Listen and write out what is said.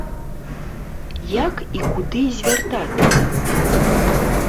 Як і куды звяртацца?